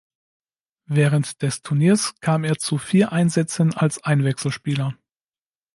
Während des Turniers kam er zu vier Einsätzen als Einwechselspieler.